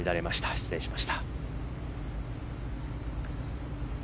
失礼しました。